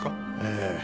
ええ。